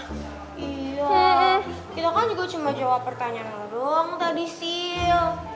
iya kita kan juga cuma jawab pertanyaan lo doang tadi sil